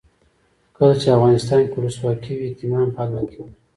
کله چې افغانستان کې ولسواکي وي یتیمان پالل کیږي.